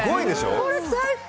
これ最高！